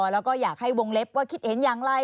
แล้วก็อยากให้วงเล็บว่าคิดเห็นอย่างไร